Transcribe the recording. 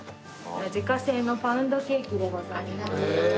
自家製のパウンドケーキでございます。